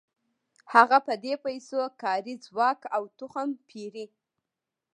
هغه په دې پیسو کاري ځواک او تخم پېري